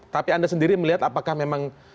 tapi anda sendiri melihat apakah memang